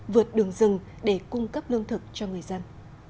vượt đường rừng để cung cấp lương thực cho người dân